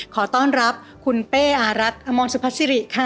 ขอต้อนรับคุณเป้อารัฐอมรสุพัศิริค่ะ